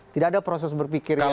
tidak ada proses berpikir yang